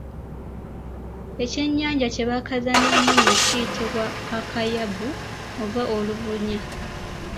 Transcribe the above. Ekyennyanja kye bakaza n'omunnyo kiyitibwa akayabu oba olubunya.